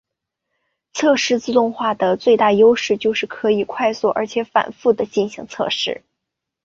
测试自动化的最大优势就是可以快速而且反覆的进行测试。